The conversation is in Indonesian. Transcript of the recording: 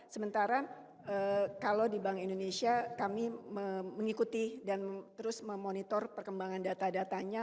sementara kalau di bank indonesia kami mengikuti dan terus memonitor perkembangan data datanya